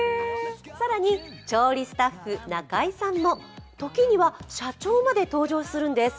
更に、調理スタッフ仲居さんも時には社長まで登場するんです。